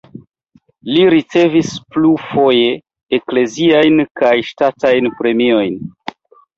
Li ricevis plurfoje ekleziajn kaj ŝtatajn premiojn.